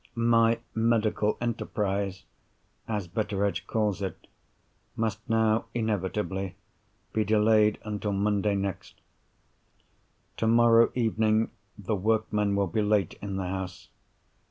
My medical enterprise (as Betteredge calls it) must now, inevitably, be delayed until Monday next. Tomorrow evening the workmen will be late in the house.